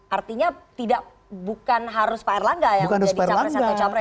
artinya bukan harus pak erlangga yang menjadi capres atau cawapres